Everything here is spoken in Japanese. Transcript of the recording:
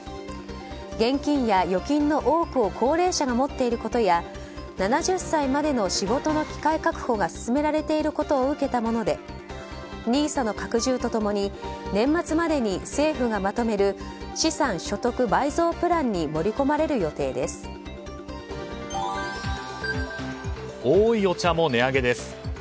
現金や預金の多くを高齢者が持っていることや７０歳までの仕事の機会確保が進められていることを受けたものでＮＩＳＡの拡充と共に年末までに政府がまとめる資産所得倍増プランにおいお茶も値上げです。